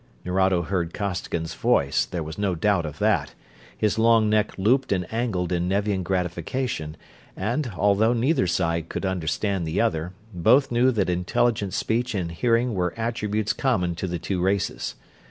Nerado heard Costigan's voice; there was no doubt of that. His long neck looped and angled in Nevian gratification, and, although neither side could understand the other, both knew that intelligent speech and hearing were attributes common to the two races.